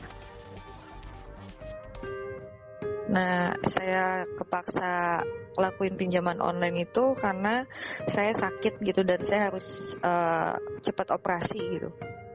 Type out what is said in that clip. nah saya kepaksa lakuin pinjaman online itu karena saya sakit gitu dan saya harus cepat operasi gitu